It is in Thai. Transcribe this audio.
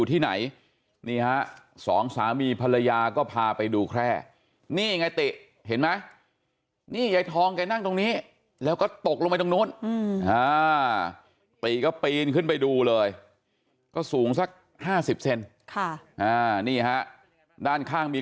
ถ้าตกลงไปจะเจ็บอย่างคุณยายทองได้มั้ยเนี่ยติเขาจะกล้าลองไหมจะลองหรอค่ะติจะลองไหมติ